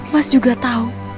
mas juga tahu